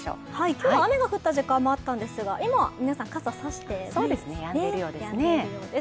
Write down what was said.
今日は雨の降った時間もあったんですが、今、皆さん傘差していないよですねやんでいるようです。